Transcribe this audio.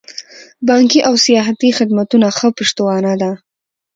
بانکي او سیاحتي خدمتونه ښه پشتوانه ده.